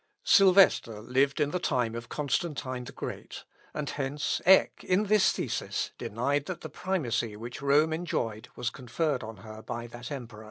Sylvester lived in the time of Constantine the Great; and hence Eck, in this thesis, denied that the primacy which Rome enjoyed was conferred on her by that emperor.